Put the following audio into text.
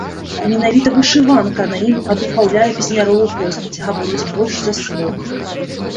Менавіта вышыванка на ім адухаўляе песнярову постаць, гаворыць больш за словы.